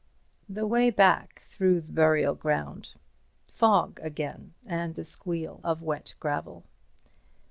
The way back through the burial ground. Fog again, and the squeal of wet gravel.